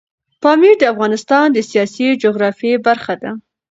پامیر د افغانستان د سیاسي جغرافیه برخه ده.